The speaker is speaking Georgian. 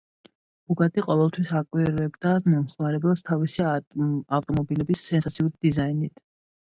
ბუგატი ყოველთვის აკვირვებდა მომხმარებელს თავისი ავტომობილების სენსაციური დიზაინით.